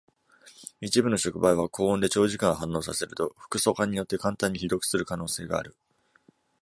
一部の触媒は、高温で長時間反応させると、複素環によって簡単に被毒する可能性がある。